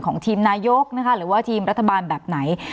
ของทีมนายกนะคะหรือว่าทีมรัฐบาลแบบไหน